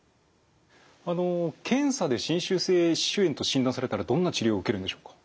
あの検査で侵襲性歯周炎と診断されたらどんな治療を受けるんでしょうか？